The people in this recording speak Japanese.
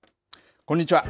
こんにちは。